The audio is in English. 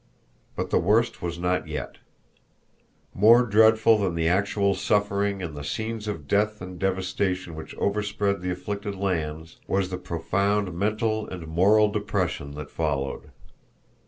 But the worst was not yet. More dreadful than the actual suffering and the scenes of death and devastation which overspread the afflicted lands was the profound mental and moral depression that followed.